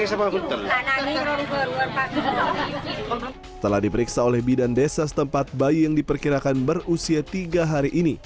setelah diperiksa oleh bidan desa setempat bayi yang diperkirakan berusia tiga hari ini